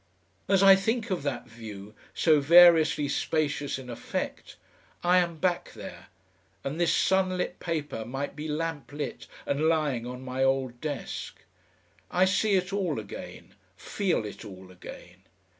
As I think of that view, so variously spacious in effect, I am back there, and this sunlit paper might be lamp lit and lying on my old desk. I see it all again, feel it all again.